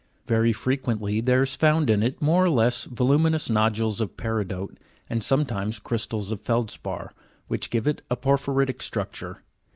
Very frequently there is found in it more or less voluminous nodules of peridote, and sometimes crystals of feldspar, which give it a por phyritic structure.